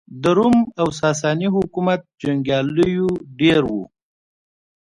د روم او ساسا ني حکومت جنګیالېیو ډېر وو.